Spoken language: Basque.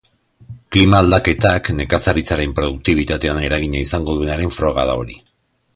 Klima-aldaketak nekazaritzaren produktibitatean eragina izango duenaren froga da hori.